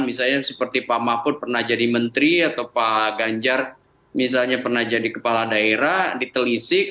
misalnya seperti pak mahfud pernah jadi menteri atau pak ganjar misalnya pernah jadi kepala daerah ditelisik